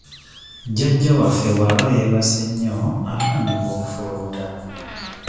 Jjajja waffe bw'aba yeebase nnyo atandika okufuluuta.